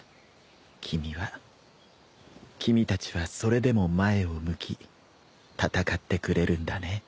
君たちはそれでも前を向き戦ってくれるんだね。